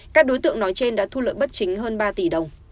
các đối tượng nói trên đã thu lợi bất chính hơn ba tỷ đồng